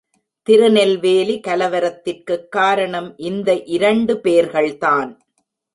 திருநெல்வேலி கலவரத்திற்குக் காரணம் இந்த இரண்டு பேர்கள்தான்.